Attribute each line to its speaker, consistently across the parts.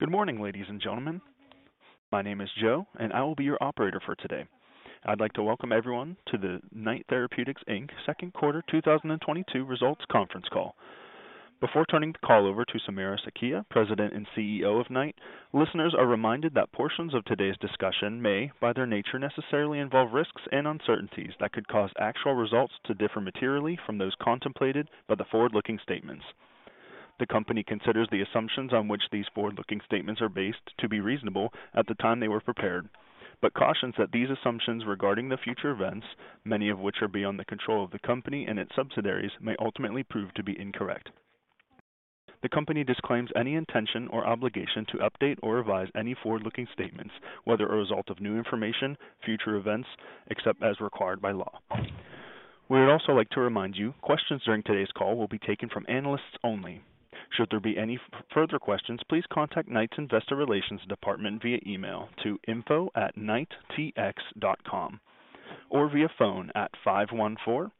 Speaker 1: Good morning, ladies and gentlemen. My name is Joe, and I will be your operator for today. I'd like to welcome everyone to the Knight Therapeutics Inc Second Quarter 2022 Results Conference Call. Before turning the call over to Samira Sakhia, President and CEO of Knight, listeners are reminded that portions of today's discussion may, by their nature, necessarily involve risks and uncertainties that could cause actual results to differ materially from those contemplated by the forward-looking statements. The company considers the assumptions on which these forward-looking statements are based to be reasonable at the time they were prepared, but cautions that these assumptions regarding the future events, many of which are beyond the control of the company and its subsidiaries, may ultimately prove to be incorrect. The company disclaims any intention or obligation to update or revise any forward-looking statements, whether a result of new information, future events, except as required by law. We would also like to remind you, questions during today's call will be taken from analysts only. Should there be any further questions, please contact Knight's Investor Relations Department via email to info@knighttx.com or via phone at 514-484-4483.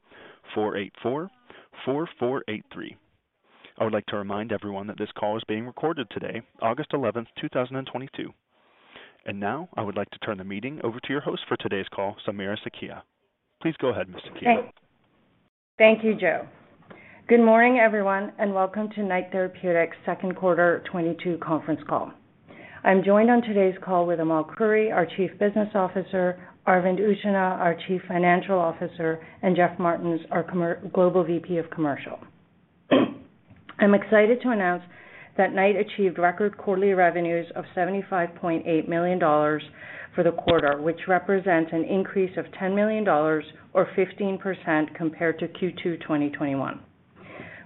Speaker 1: I would like to remind everyone that this call is being recorded today, August 11th, 2022. Now I would like to turn the meeting over to your host for today's call, Samira Sakhia. Please go ahead, Ms. Sakhia.
Speaker 2: Thank you, Joe. Good morning, everyone, and welcome to Knight Therapeutics Second Quarter 2022 Conference Call. I'm joined on today's call with Amal Khouri, our Chief Business Officer, Arvind Utchanah, our Chief Financial Officer, and Jeff Martens, our Global VP of Commercial. I'm excited to announce that Knight achieved record quarterly revenues of 75.8 million dollars for the quarter, which represents an increase of 10 million dollars or 15% compared to Q2 2021.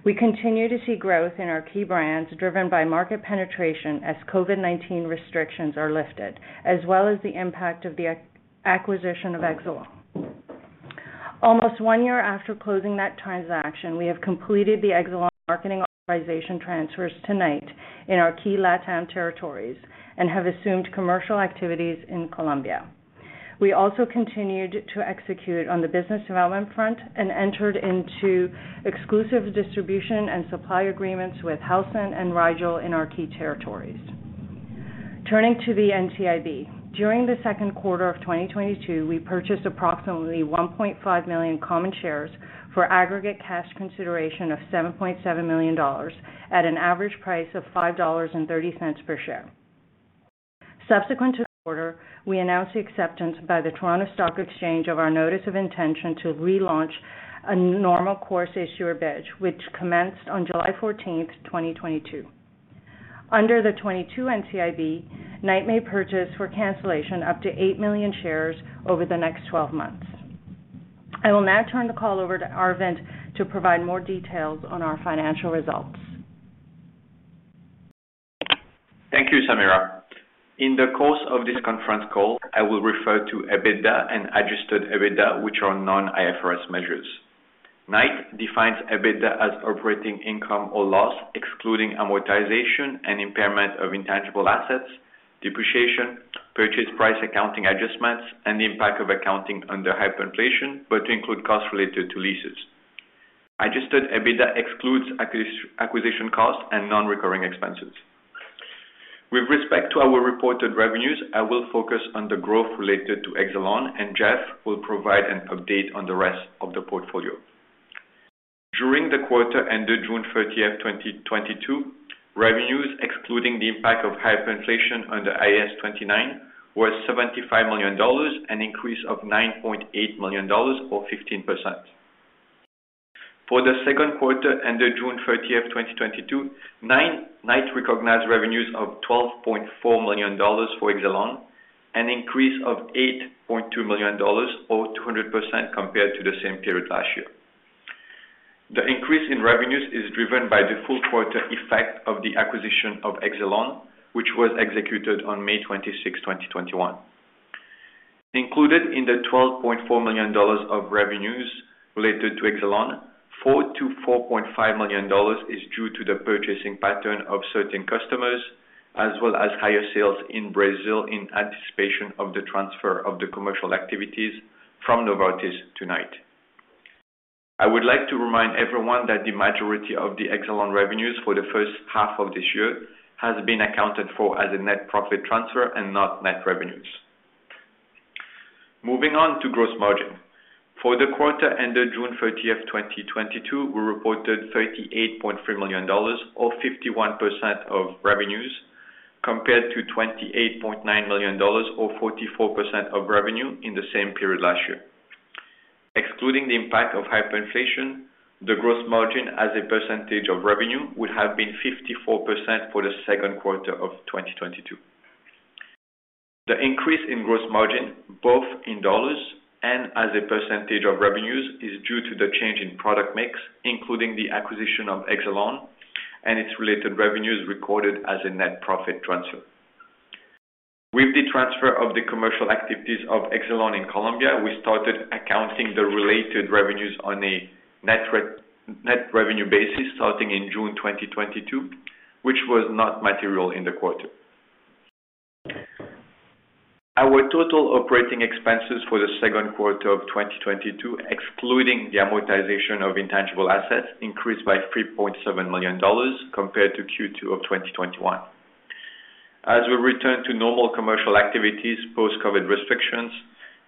Speaker 2: We continue to see growth in our key brands, driven by market penetration as COVID-19 restrictions are lifted, as well as the impact of the acquisition of Exelon. Almost one year after closing that transaction, we have completed the Exelon marketing authorization transfers to Knight in our key LatAm territories and have assumed commercial activities in Colombia. We also continued to execute on the business development front and entered into exclusive distribution and supply agreements with Helsinn and Rigel in our key territories. Turning to the NCIB. During the second quarter of 2022, we purchased approximately 1.5 million common shares for aggregate cash consideration of 7.7 million dollars at an average price of 5.30 dollars per share. Subsequent to the quarter, we announced the acceptance by the Toronto Stock Exchange of our notice of intention to relaunch a normal course issuer bid, which commenced on July 14th, 2022. Under the 2022 NCIB, Knight may purchase for cancellation up to eight million shares over the next 12 months. I will now turn the call over to Arvind to provide more details on our financial results.
Speaker 3: Thank you, Samira. In the course of this conference call, I will refer to EBITDA and adjusted EBITDA, which are non-IFRS measures. Knight defines EBITDA as operating income or loss, excluding amortization and impairment of intangible assets, depreciation, purchase price, accounting adjustments, and the impact of accounting under hyperinflation, but to include costs related to leases. Adjusted EBITDA excludes acquisition costs and non-recurring expenses. With respect to our reported revenues, I will focus on the growth related to Exelon, and Jeff will provide an update on the rest of the portfolio. During the quarter ended June 30th, 2022, revenues excluding the impact of hyperinflation under IAS 29 was CAD 75 million, an increase of CAD 9.8 million or 15%. For the second quarter ended June 30th, 2022, Knight recognized revenues of 12.4 million dollars for Exelon, an increase of 8.2 million dollars or 200% compared to the same period last year. The increase in revenues is driven by the full quarter effect of the acquisition of Exelon, which was executed on May 26, 2021. Included in the 12.4 million dollars of revenues related to Exelon, 4 million-4.5 million dollars is due to the purchasing pattern of certain customers, as well as higher sales in Brazil in anticipation of the transfer of the commercial activities from Novartis to Knight. I would like to remind everyone that the majority of the Exelon revenues for the first half of this year has been accounted for as a net profit transfer and not net revenues. Moving on to gross margin. For the quarter ended June 30th, 2022, we reported 38.3 million dollars or 51% of revenues, compared to 28.9 million dollars or 44% of revenue in the same period last year. Excluding the impact of hyperinflation, the gross margin as a percentage of revenue would have been 54% for the second quarter of 2022. The increase in gross margin, both in dollars and as a percentage of revenues, is due to the change in product mix, including the acquisition of Exelon and its related revenues recorded as a net profit transfer. With the transfer of the commercial activities of Exelon in Colombia, we started accounting the related revenues on a net revenue basis starting in June 2022, which was not material in the quarter. Our total operating expenses for the second quarter of 2022, excluding the amortization of intangible assets, increased by 3.7 million dollars compared to Q2 of 2021. As we return to normal commercial activities post-COVID restrictions,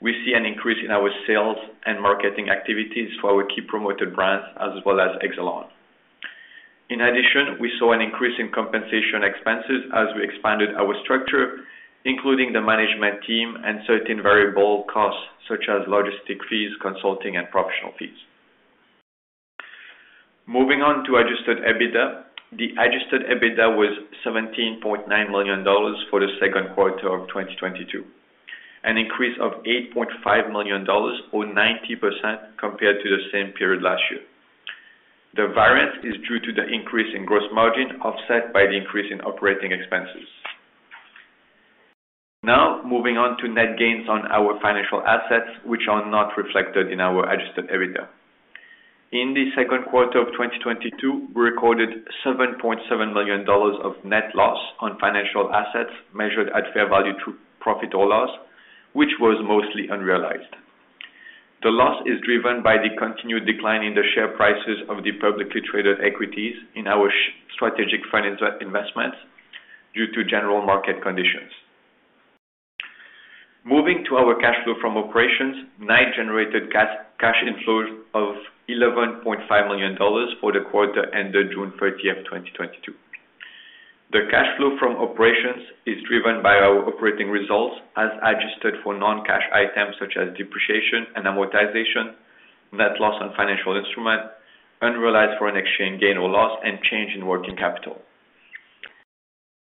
Speaker 3: we see an increase in our sales and marketing activities for our key promoted brands as well as Exelon. In addition, we saw an increase in compensation expenses as we expanded our structure, including the management team and certain variable costs such as logistic fees, consulting, and professional fees. Moving on to adjusted EBITDA. The adjusted EBITDA was 17.9 million dollars for the second quarter of 2022, an increase of 8.5 million dollars or 90% compared to the same period last year. The variance is due to the increase in gross margin, offset by the increase in operating expenses. Now moving on to net gains on our financial assets, which are not reflected in our adjusted EBITDA. In the second quarter of 2022, we recorded 7.7 million dollars of net loss on financial assets measured at fair value to profit or loss, which was mostly unrealized. The loss is driven by the continued decline in the share prices of the publicly traded equities in our strategic finance investments due to general market conditions. Moving to our cash flow from operations, Knight generated cash inflows of 11.5 million dollars for the quarter ended June 30, 2022. The cash flow from operations is driven by our operating results as adjusted for non-cash items such as depreciation and amortization, net loss on financial instrument, unrealized foreign exchange gain or loss, and change in working capital.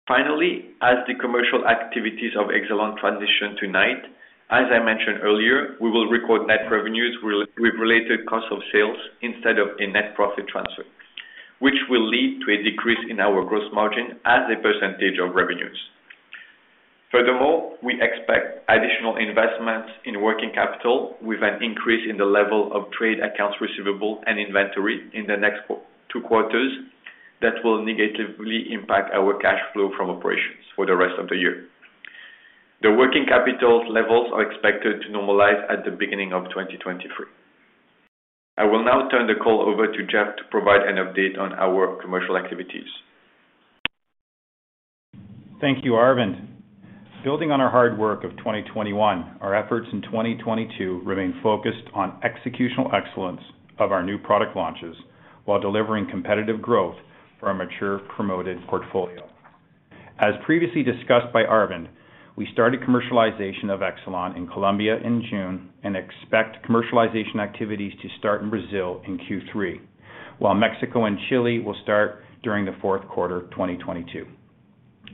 Speaker 3: Finally, as the commercial activities of Exelon transition to Knight, as I mentioned earlier, we will record net revenues with related cost of sales instead of a net profit transfer, which will lead to a decrease in our gross margin as a percentage of revenues. Furthermore, we expect additional investments in working capital with an increase in the level of trade accounts receivable and inventory in the next two quarters that will negatively impact our cash flow from operations for the rest of the year. The working capital levels are expected to normalize at the beginning of 2023. I will now turn the call over to Jeff to provide an update on our commercial activities.
Speaker 4: Thank you, Arvind. Building on our hard work of 2021, our efforts in 2022 remain focused on executional excellence of our new product launches while delivering competitive growth for our mature promoted portfolio. As previously discussed by Arvind, we started commercialization of Exelon in Colombia in June and expect commercialization activities to start in Brazil in Q3, while Mexico and Chile will start during the fourth quarter 2022.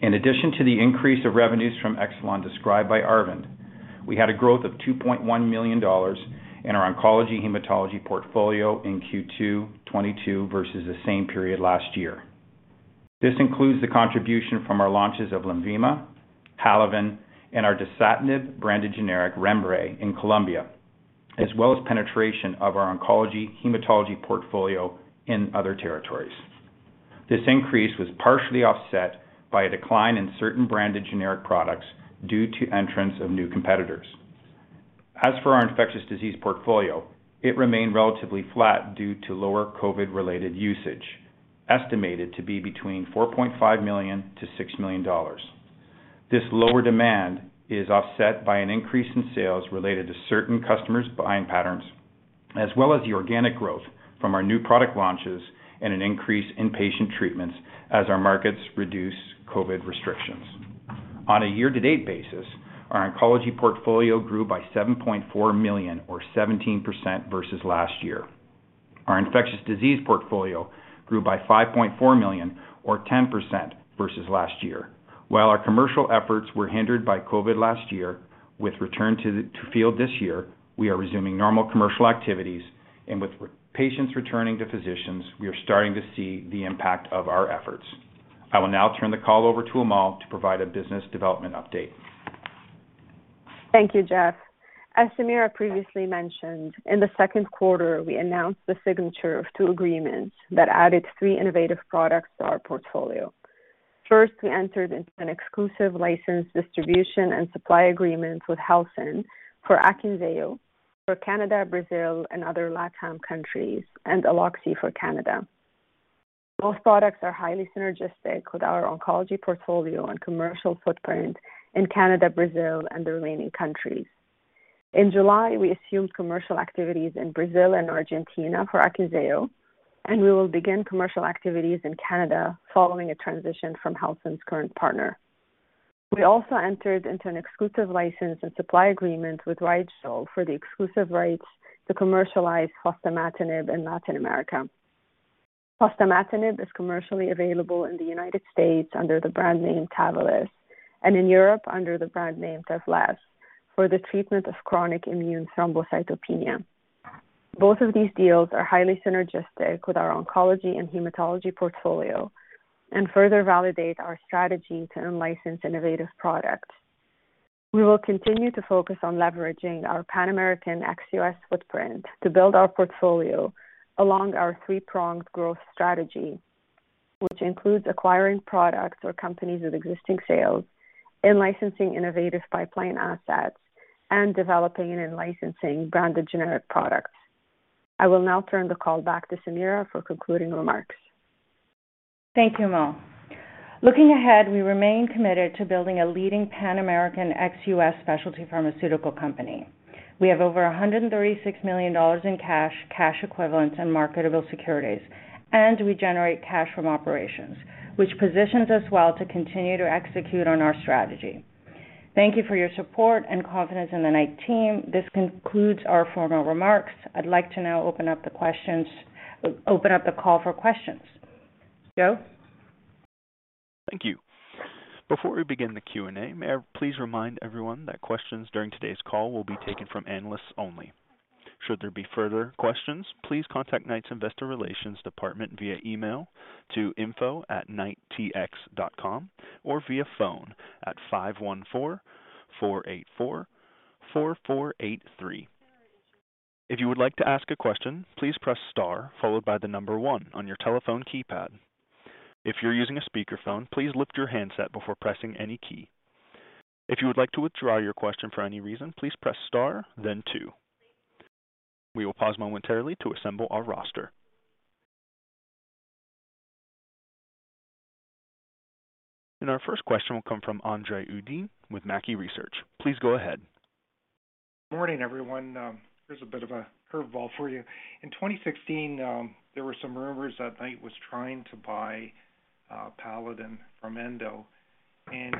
Speaker 4: In addition to the increase of revenues from Exelon described by Arvind, we had a growth of 2.1 million dollars in our oncology hematology portfolio in Q2 2022 versus the same period last year. This includes the contribution from our launches of Lenvima, Halaven, and our dasatinib branded generic Rembre in Colombia, as well as penetration of our oncology hematology portfolio in other territories. This increase was partially offset by a decline in certain branded generic products due to entrance of new competitors. As for our infectious disease portfolio, it remained relatively flat due to lower COVID-related usage, estimated to be between 4.5 million-6 million dollars. This lower demand is offset by an increase in sales related to certain customers' buying patterns, as well as the organic growth from our new product launches and an increase in patient treatments as our markets reduce COVID restrictions. On a year-to-date basis, our oncology portfolio grew by 7.4 million or 17% versus last year. Our infectious disease portfolio grew by 5.4 million or 10% versus last year. While our commercial efforts were hindered by COVID last year, with return to the field this year, we are resuming normal commercial activities. With our patients returning to physicians, we are starting to see the impact of our efforts. I will now turn the call over to Amal to provide a business development update.
Speaker 5: Thank you, Jeff. As Samira previously mentioned, in the second quarter, we announced the signature of two agreements that added three innovative products to our portfolio. First, we entered into an exclusive license distribution and supply agreement with Helsinn for Akynzeo for Canada, Brazil, and other LatAm countries, and Aloxi for Canada. Both products are highly synergistic with our oncology portfolio and commercial footprint in Canada, Brazil, and the remaining countries. In July, we assumed commercial activities in Brazil and Argentina for Akynzeo, and we will begin commercial activities in Canada following a transition from Helsinn's current partner. We also entered into an exclusive license and supply agreement with Rigel for the exclusive rights to commercialize fostamatinib in Latin America. Fostamatinib is commercially available in the United States under the brand name Tavalisse and in Europe under the brand name Tavlesse for the treatment of chronic immune thrombocytopenia. Both of these deals are highly synergistic with our oncology and hematology portfolio and further validate our strategy to in-license innovative products. We will continue to focus on leveraging our pan-American ex-U.S. footprint to build our portfolio along our three-pronged growth strategy, which includes acquiring products or companies with existing sales and licensing innovative pipeline assets and developing and licensing branded generic products. I will now turn the call back to Samira for concluding remarks.
Speaker 2: Thank you, Amal. Looking ahead, we remain committed to building a leading pan-American ex-U.S. specialty pharmaceutical company. We have over 136 million dollars in cash equivalents and marketable securities, and we generate cash from operations, which positions us well to continue to execute on our strategy. Thank you for your support and confidence in the Knight team. This concludes our formal remarks. I'd like to now open up the call for questions. Joe.
Speaker 1: Thank you. Before we begin the Q&A, may I please remind everyone that questions during today's call will be taken from analysts only. Should there be further questions, please contact Knight's Investor Relations department via email to info@knighttx.com or via phone at 514-484-4483. If you would like to ask a question, please press star followed by the number one on your telephone keypad. If you're using a speakerphone, please lift your handset before pressing any key. If you would like to withdraw your question for any reason, please press star, then two. We will pause momentarily to assemble our roster. Our first question will come from Andre Uddin with Mackie Research. Please go ahead.
Speaker 6: Morning, everyone. Here's a bit of a curveball for you. In 2016, there were some rumors that Knight was trying to buy Paladin from Endo.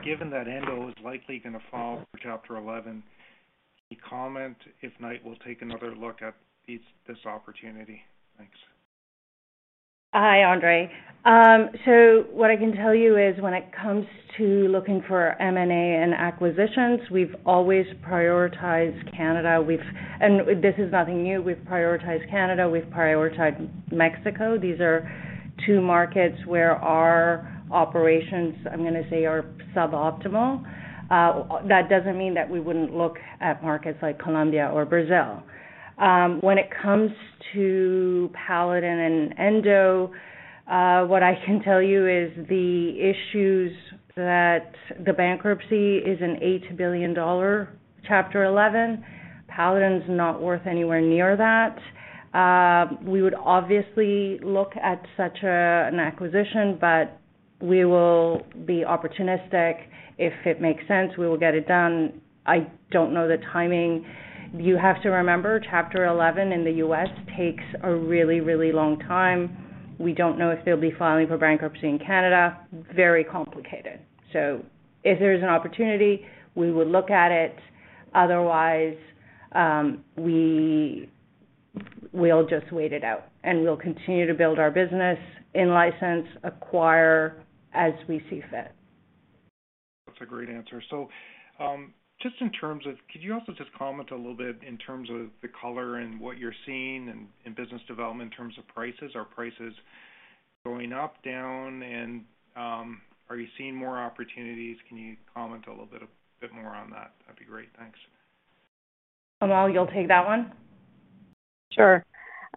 Speaker 6: Given that Endo is likely gonna file for Chapter 11, can you comment if Knight will take another look at this opportunity? Thanks.
Speaker 2: Hi, Andre. What I can tell you is when it comes to looking for M&A and acquisitions, we've always prioritized Canada. This is nothing new. We've prioritized Canada, we've prioritized Mexico. These are two markets where our operations, I'm gonna say, are suboptimal. That doesn't mean that we wouldn't look at markets like Colombia or Brazil. When it comes to Paladin and Endo, what I can tell you is the issues that the bankruptcy is a $8 billion Chapter 11. Paladin is not worth anywhere near that. We would obviously look at such an acquisition, but we will be opportunistic. If it makes sense, we will get it done. I don't know the timing. You have to remember, Chapter 11 in the U.S. takes a really long time. We don't know if they'll be filing for bankruptcy in Canada. Very complicated. If there's an opportunity, we would look at it. Otherwise, we'll just wait it out, and we'll continue to build our business in-license acquire as we see fit.
Speaker 6: That's a great answer. Just in terms of, could you also just comment a little bit in terms of the color and what you're seeing in business development in terms of prices? Are prices going up, down, and are you seeing more opportunities? Can you comment a little bit more on that? That'd be great. Thanks.
Speaker 2: Amal, you'll take that one.
Speaker 5: Sure.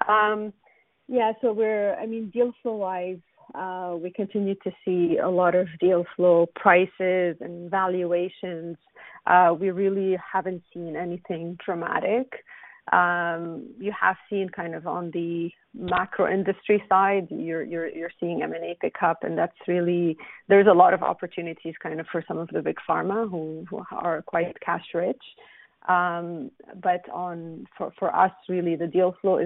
Speaker 5: Yeah. I mean, deal flow wise, we continue to see a lot of deal flow prices and valuations. We really haven't seen anything dramatic. You have seen kind of on the macro industry side, you're seeing M&A pick up, and that's really. There's a lot of opportunities kind of for some of the big pharma who are quite cash rich. For us, really, the deal flow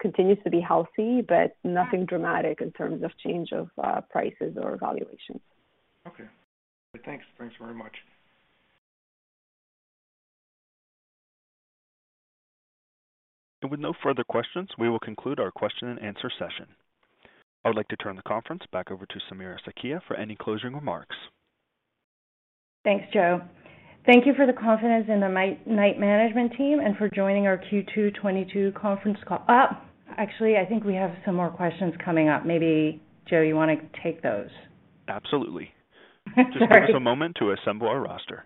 Speaker 5: continues to be healthy, but nothing dramatic in terms of change of prices or valuations.
Speaker 6: Okay. Thanks. Thanks very much.
Speaker 1: With no further questions, we will conclude our question and answer session. I would like to turn the conference back over to Samira Sakhia for any closing remarks.
Speaker 2: Thanks, Joe. Thank you for the confidence in the Knight management team and for joining our Q2 2022 conference call. Actually, I think we have some more questions coming up. Maybe, Joe, you wanna take those.
Speaker 1: Absolutely.
Speaker 2: Sorry.
Speaker 1: Just give us a moment to assemble our roster.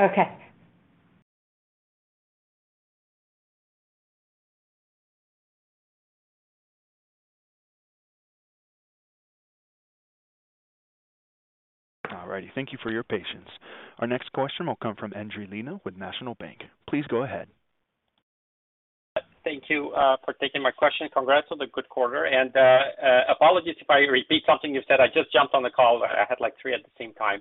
Speaker 2: Okay.
Speaker 1: All righty. Thank you for your patience. Our next question will come from Endri Leno with National Bank. Please go ahead.
Speaker 7: Thank you for taking my question. Congrats on the good quarter. Apologies if I repeat something you said. I just jumped on the call. I had, like, three at the same time.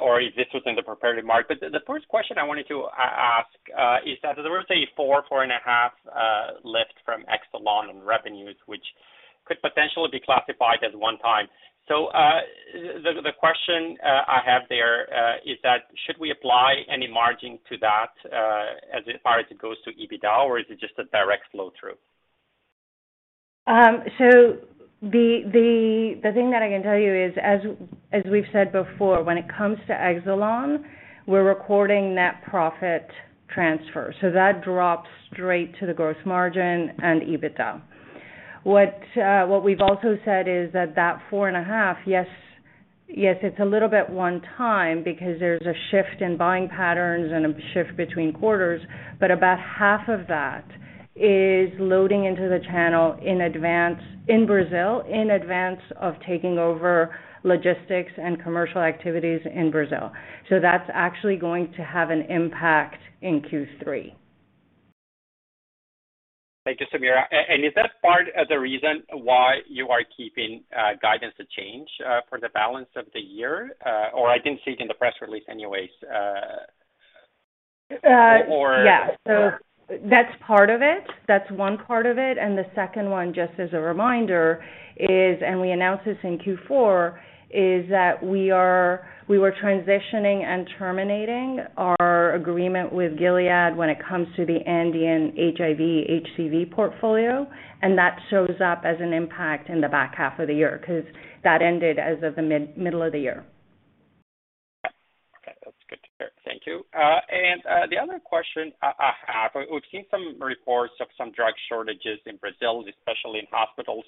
Speaker 7: Or if this was in the prepared remarks. The first question I wanted to ask is that there was a 4.5 lift from Exelon in revenues, which could potentially be classified as one-time. The question I have there is, should we apply any margin to that as far as it goes to EBITDA, or is it just a direct flow-through?
Speaker 2: The thing that I can tell you is, as we've said before, when it comes to Exelon, we're recording net profit transfer. That drops straight to the gross margin and EBITDA. What we've also said is that that 4.5, yes, it's a little bit one time because there's a shift in buying patterns and a shift between quarters, but about half of that is loading into the channel in advance in Brazil in advance of taking over logistics and commercial activities in Brazil. That's actually going to have an impact in Q3.
Speaker 7: Thank you, Samira. Is that part of the reason why you are keeping guidance unchanged for the balance of the year? I didn't see it in the press release anyways, or
Speaker 2: Yeah. That's part of it. That's one part of it. The second one, just as a reminder, is, and we announced this in Q4, is that we were transitioning and terminating our agreement with Gilead when it comes to the Andean HIV HCV portfolio, and that shows up as an impact in the back half of the year because that ended as of the middle of the year.
Speaker 7: Okay. That's good to hear. Thank you. The other question I have, we've seen some reports of some drug shortages in Brazil, especially in hospitals.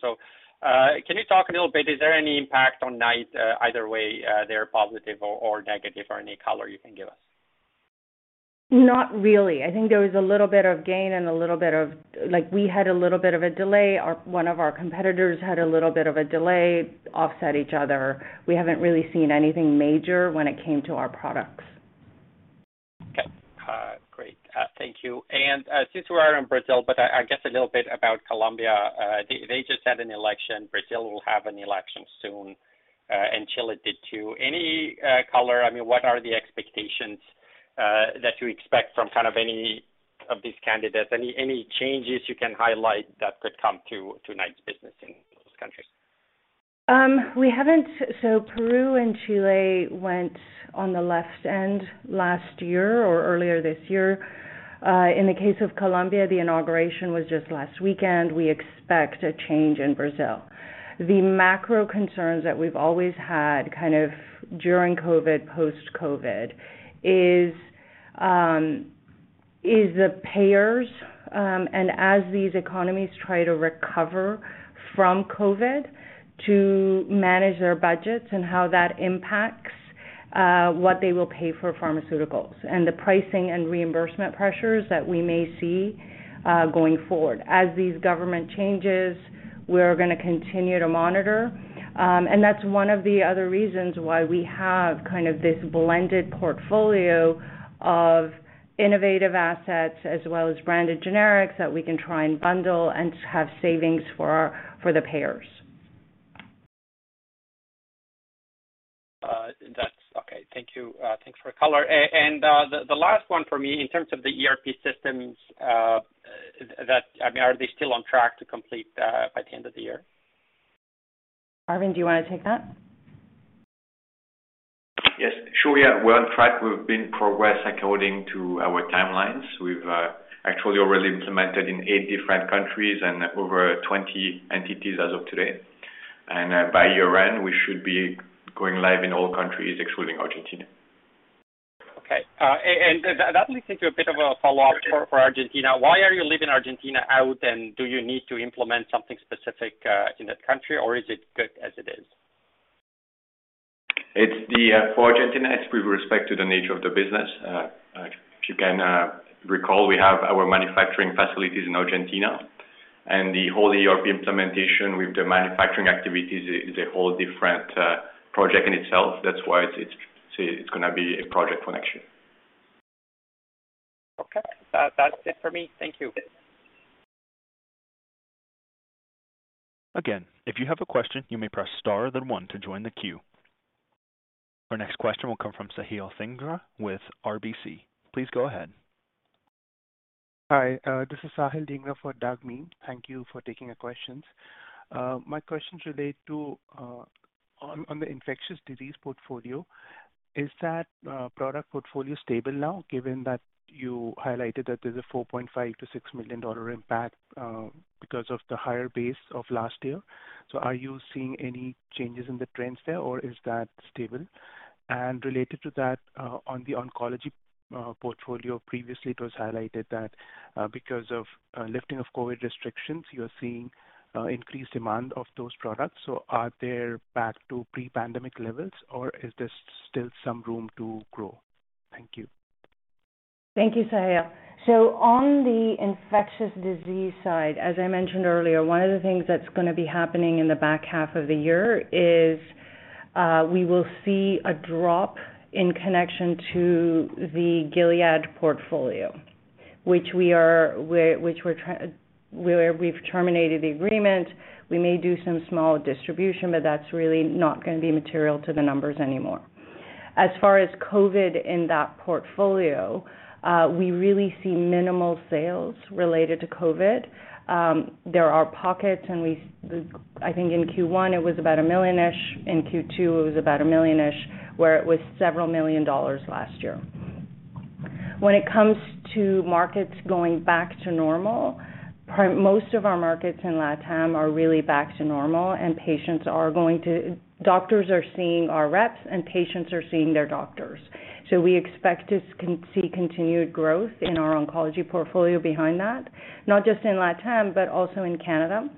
Speaker 7: Can you talk a little bit? Is there any impact on Knight, either way, they're positive or negative or any color you can give us?
Speaker 2: Not really. I think there was a little bit of gain. Like, we had a little bit of a delay. One of our competitors had a little bit of a delay, offset each other. We haven't really seen anything major when it came to our products.
Speaker 7: Okay. Great. Thank you. Since we are in Brazil, but I guess a little bit about Colombia. They just had an election. Brazil will have an election soon. Chile did too. Any color? I mean, what are the expectations that you expect from kind of any of these candidates? Any changes you can highlight that could come to Knight's business in those countries?
Speaker 2: Peru and Chile went to the left end last year or earlier this year. In the case of Colombia, the inauguration was just last weekend. We expect a change in Brazil. The macro concerns that we've always had kind of during COVID, post-COVID is the payers, and as these economies try to recover from COVID to manage their budgets and how that impacts what they will pay for pharmaceuticals and the pricing and reimbursement pressures that we may see going forward. As these government changes, we're gonna continue to monitor. That's one of the other reasons why we have kind of this blended portfolio of innovative assets as well as branded generics that we can try and bundle and have savings for the payers.
Speaker 7: That's okay. Thank you. Thanks for the color. The last one for me in terms of the ERP systems, I mean, are they still on track to complete by the end of the year?
Speaker 2: Arvind, do you want to take that?
Speaker 3: Yes, sure. Yeah, we're on track. We've been progressing according to our timelines. We've actually already implemented in eight different countries and over 20 entities as of today. By year-end, we should be going live in all countries, excluding Argentina.
Speaker 7: Okay. That leads me to a bit of a follow-up for Argentina. Why are you leaving Argentina out, and do you need to implement something specific, in that country, or is it good as it is?
Speaker 3: It's the for Argentina, it's with respect to the nature of the business. If you can recall, we have our manufacturing facilities in Argentina and the whole ERP implementation with the manufacturing activities is a whole different project in itself. That's why it's gonna be a project for next year.
Speaker 7: Okay. That's it for me. Thank you.
Speaker 1: Again, if you have a question, you may press star then one to join the queue. Our next question will come from Sahil Dhingra with RBC. Please go ahead.
Speaker 8: Hi, this is Sahil Dhingra for Doug Miehm. Thank you for taking the questions. My questions relate to on the infectious disease portfolio. Is that product portfolio stable now, given that you highlighted that there's a 4.5 million-6 million dollar impact because of the higher base of last year? Are you seeing any changes in the trends there, or is that stable? Related to that, on the oncology portfolio, previously it was highlighted that because of lifting of COVID restrictions, you're seeing increased demand of those products. Are they back to pre-pandemic levels, or is there still some room to grow? Thank you.
Speaker 2: Thank you, Sahil. On the infectious disease side, as I mentioned earlier, one of the things that's gonna be happening in the back half of the year is, we will see a drop in connection to the Gilead portfolio, which we've terminated the agreement. We may do some small distribution, but that's really not gonna be material to the numbers anymore. As far as COVID in that portfolio, we really see minimal sales related to COVID. There are pockets, and I think in Q1 it was about 1 million-ish. In Q2 it was about 1 million-ish, where it was several million dollars last year. When it comes to markets going back to normal, most of our markets in Latam are really back to normal and patients are going to. Doctors are seeing our reps and patients are seeing their doctors. We expect to see continued growth in our oncology portfolio behind that, not just in Latam, but also in Canada.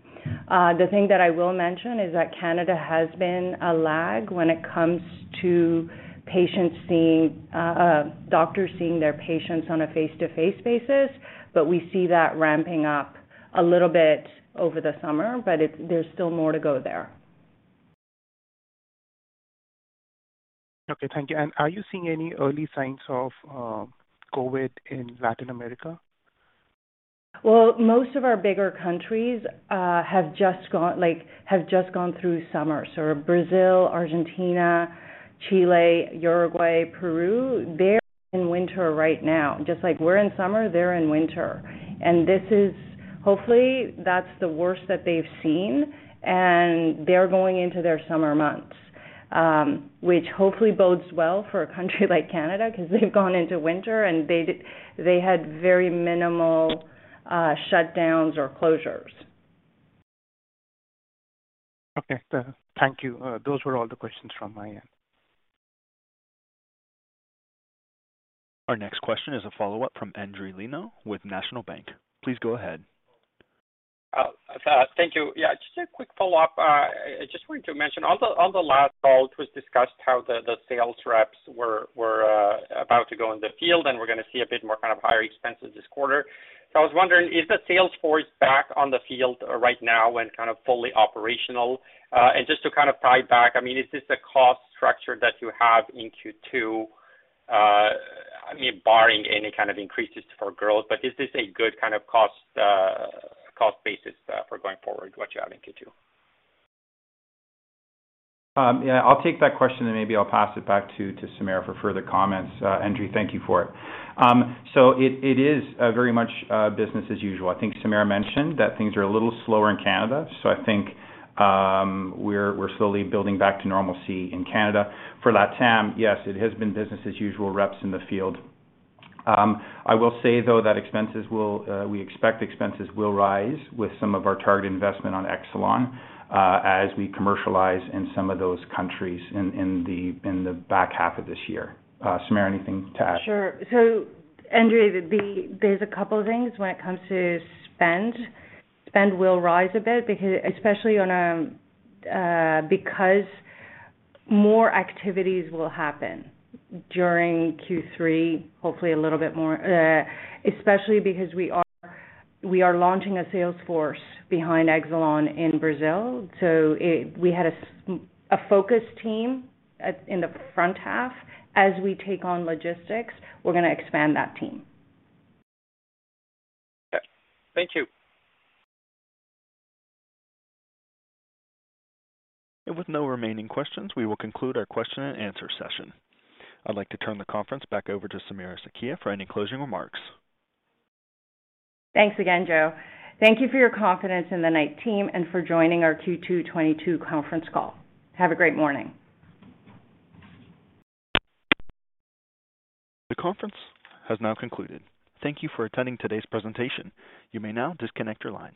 Speaker 2: The thing that I will mention is that Canada has been a lag when it comes to patients seeing, doctors seeing their patients on a face-to-face basis, but we see that ramping up a little bit over the summer, but there's still more to go there.
Speaker 8: Okay. Thank you. Are you seeing any early signs of COVID in Latin America?
Speaker 2: Well, most of our bigger countries have just gone, like, through summer. Brazil, Argentina, Chile, Uruguay, Peru, they're in winter right now. Just like we're in summer, they're in winter. This is hopefully that's the worst that they've seen, and they're going into their summer months, which hopefully bodes well for a country like Canada 'cause they've gone into winter and they had very minimal shutdowns or closures.
Speaker 8: Okay. Thank you. Those were all the questions from my end.
Speaker 1: Our next question is a follow-up from Endri Leno with National Bank. Please go ahead.
Speaker 7: Thank you. Yeah, just a quick follow-up. I just wanted to mention, on the last call, it was discussed how the sales reps were about to go in the field and we're gonna see a bit more kind of higher expenses this quarter. I was wondering, is the sales force back on the field right now and kind of fully operational? And just to kind of tie back, I mean, is this a cost structure that you have in Q2, I mean, barring any kind of increases for growth, but is this a good kind of cost basis for going forward what you have in Q2?
Speaker 4: Yeah, I'll take that question and maybe I'll pass it back to Samira for further comments. Andre, thank you for it. So it is very much business as usual. I think Samira mentioned that things are a little slower in Canada, so I think we're slowly building back to normalcy in Canada. For Latam, yes, it has been business as usual, reps in the field. I will say though that we expect expenses will rise with some of our target investment on Exelon, as we commercialize in some of those countries in the back half of this year. Samira, anything to add?
Speaker 2: Sure. Endri, there's a couple things when it comes to spend. Spend will rise a bit because more activities will happen during Q3, hopefully a little bit more, especially because we are launching a sales force behind Exelon in Brazil. We had a focus team in the front half. As we take on logistics, we're gonna expand that team.
Speaker 7: Okay. Thank you.
Speaker 1: With no remaining questions, we will conclude our question and answer session. I'd like to turn the conference back over to Samira Sakhia for any closing remarks.
Speaker 2: Thanks again, Joe. Thank you for your confidence in the Knight team and for joining our Q2 2022 conference call. Have a great morning.
Speaker 1: The conference has now concluded. Thank you for attending today's presentation. You may now disconnect your lines.